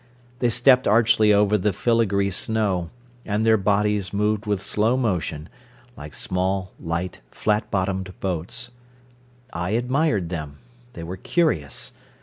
They stepped archly over the filigree snow, and their bodies moved with slow motion, like small, light, flat bottomed boats. I admired them, they were curious.